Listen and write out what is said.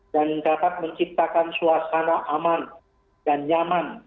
dan dapat menciptakan suasana aman dan nyaman